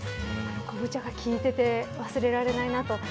昆布茶が利いてて忘れられないなと。